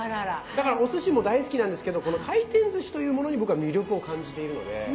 だからおすしも大好きなんですけどこの回転ずしというものに僕は魅力を感じているので。